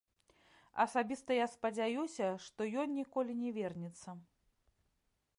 Асабіста я спадзяюся, што ён ніколі не вернецца.